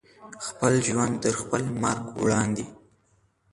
خپل ژوند تر خپل مرګ وړاندې